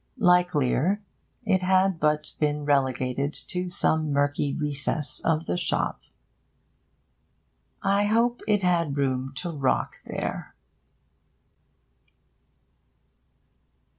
Likelier, it had but been relegated to some mirky recess of the shop... I hope it has room to rock there.